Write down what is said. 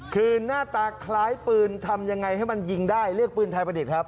คือหน้าตาคล้ายปืนทำยังไงให้มันยิงได้เรียกปืนไทยประดิษฐ์ครับ